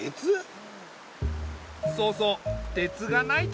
そうそう鉄がないとね。